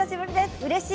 うれしい。